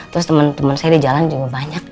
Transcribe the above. terus temen temen saya di jalan juga banyak